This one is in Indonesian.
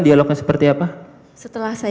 dialognya seperti apa setelah saya